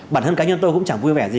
bản thân cá nhân tôi cũng chẳng vui vẻ gì